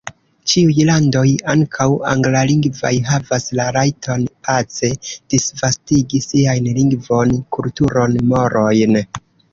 Ĉiuj landoj, ankaŭ anglalingvaj, havas la rajton pace disvastigi siajn lingvon, kulturon, morojn.